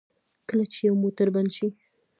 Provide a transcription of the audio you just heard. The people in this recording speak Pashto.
کله چې یو موټر بند شي.